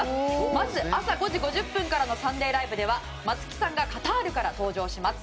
まず朝５時５０分からの「サンデーＬＩＶＥ！！」では松木さんがカタールから登場します。